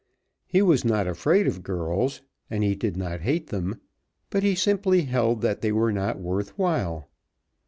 He was not afraid of girls, and he did not hate them, but he simply held that they were not worth while.